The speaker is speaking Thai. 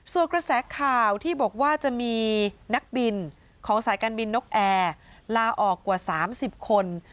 ส่วนกระแสข่าวที่บอกว่าจะมีนักบินของสายการบินนกแอร์ลาออกกว่า๓๐คน